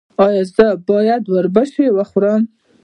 ایا زه باید اوربشې وخورم؟